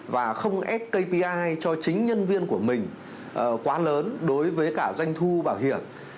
và không ép kpi cho chính nhân viên của mình quá lớn đối với cả doanh thu bảo hiểm